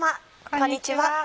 こんにちは。